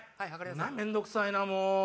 面倒くさいなもう。